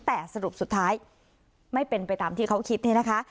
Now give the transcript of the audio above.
แต่สรุปสุดท้ายไม่เป็นไปตามที่เขาคิดเนี่ยนะคะ